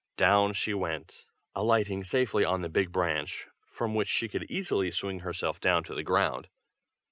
Down she went, alighting safely on the big branch, from which she could easily swing herself down to the ground.